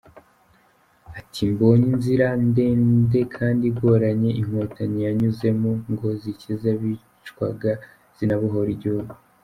Ati “Mbonye inzira ndende kandi igoranye Inkotanyi zanyuzemo ngo zikize abicwaga zinabohore igihugu.